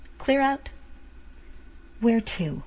Clear out." "Where to?"